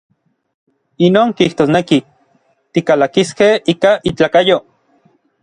Inon kijtosneki, tikalakiskej ika itlakayo.